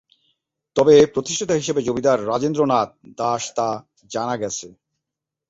তবে প্রতিষ্ঠাতা হিসেবে জমিদার রাজেন্দ্র নাথ দাস তা জানা গেছে।